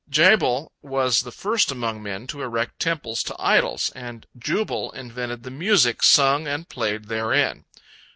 Jabal was the first among men to erect temples to idols, and Jubal invented the music sung and played therein.